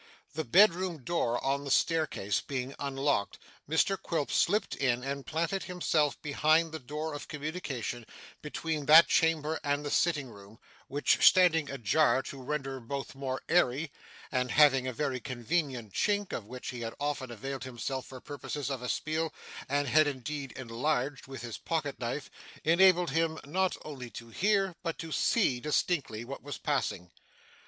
The bedroom door on the staircase being unlocked, Mr Quilp slipped in, and planted himself behind the door of communication between that chamber and the sitting room, which standing ajar to render both more airy, and having a very convenient chink (of which he had often availed himself for purposes of espial, and had indeed enlarged with his pocket knife), enabled him not only to hear, but to see distinctly, what was passing.